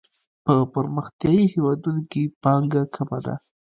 په پرمختیايي هیوادونو کې پانګه کمه ده.